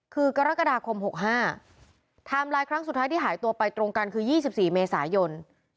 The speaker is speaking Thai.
คือกรกฎาคม๖๕ไทม์ไลน์ครั้งสุดท้ายที่หายตัวไปตรงกันคือ๒๔เมษายน